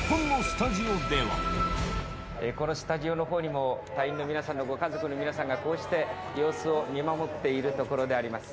このスタジオのほうにも、隊員の皆さんのご家族の皆様が、こうして様子を見守っているところであります。